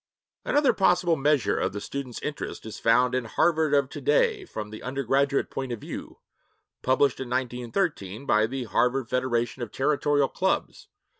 Another possible measure of the student's interest is found in Harvard of Today from an Undergraduate Point of View, published in 1913 by the Harvard Federation of Territorial Clubs.